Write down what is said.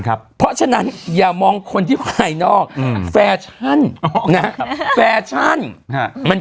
ครับเพราะฉะนั้นอย่ามองคนที่ขายนอกแฟชันแฟชันมัน